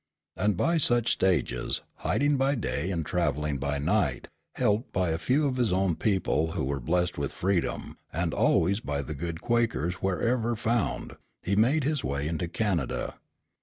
And by such stages, hiding by day and traveling by night, helped by a few of his own people who were blessed with freedom, and always by the good Quakers wherever found, he made his way into Canada.